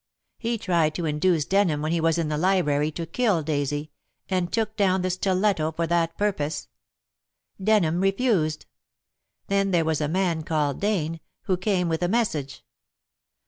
He tried to induce Denham when he was in the library to kill Daisy, and took down the stiletto for that purpose. Denham refused. Then there was a man called Dane, who came with a message.